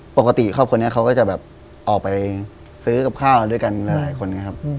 ปกติครอบครัวนี้เขาก็จะแบบออกไปซื้อกับข้าวด้วยกันหลายคนนะครับ